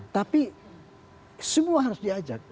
tapi semua harus diajak